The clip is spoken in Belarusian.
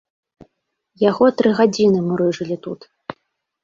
Яго тры гадзіны мурыжылі тут.